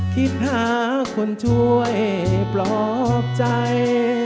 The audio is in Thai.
คิดหาคนช่วยปลอบใจ